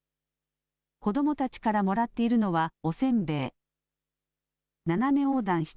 子どもたちからもらっているのはおせんべい。